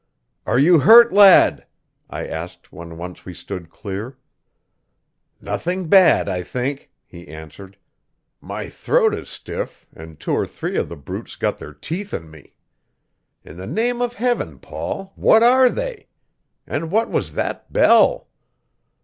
"Are you hurt, lad?" I asked when once we stood clear. "Nothing bad, I think," he answered. "My throat is stiff, and two or three of the brutes got their teeth in me. In the name of Heaven, Paul, what are they? And what was that bell?"